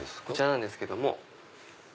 こちらなんですけど。